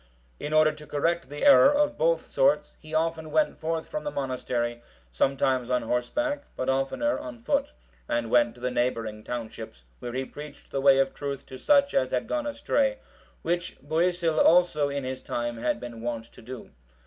In order to correct the error of both sorts, he often went forth from the monastery, sometimes on horseback, but oftener on foot, and went to the neighbouring townships, where he preached the way of truth to such as had gone astray; which Boisil also in his time had been wont to do.